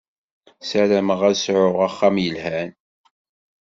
Sarameɣ ad sɛuɣ axxam yelhan.